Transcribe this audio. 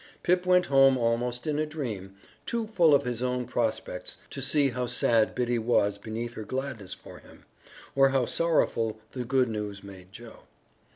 Pip went home almost in a dream, too full of his own prospects to see how sad Biddy was beneath her gladness for him, or how sorrowful the good news made Joe.